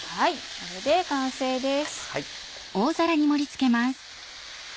これで完成です。